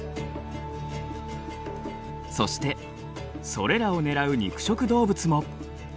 そしてそれらを狙う肉食動物も。